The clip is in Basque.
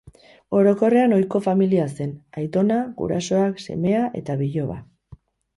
Orokorrean, ohiko familia zen: aitona, gurasoak, semea eta biloba.